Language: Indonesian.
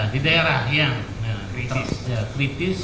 di daerah yang kritis